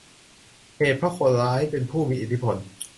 เหตุเพราะคนร้ายเป็นผู้มีอิทธิพล